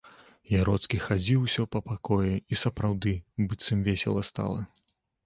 Яроцкі хадзіў усё па пакоі, і сапраўды, быццам весела стала.